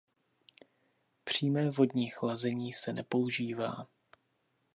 Přímé vodní chlazení se nepoužívá.